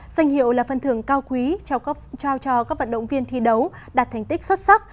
danh hiệu là phần thưởng cao quý trao cho các vận động viên thi đấu đạt thành tích xuất sắc